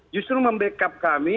justru membackup kami